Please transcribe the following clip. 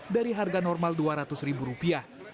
dari harga normal dua ratus ribu rupiah